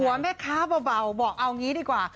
แม่ค้าเบาบอกเอางี้ดีกว่า